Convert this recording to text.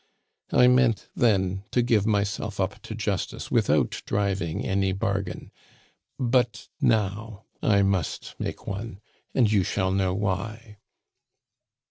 "I meant then to give myself up to justice without driving any bargain; but now I must make one, and you shall know why."